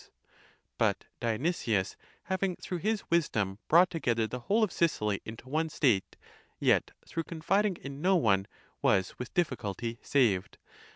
δ1] But Dionysius having through his wisdom brought together the whole of Sicily into one state, yet, through confiding in no one, was with difficulty saved.